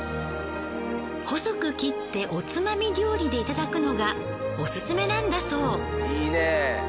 細く切っておつまみ料理でいただくのがオススメなんだそう。